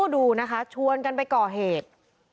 ดูนะคะชวนกันไปก่อเหตุ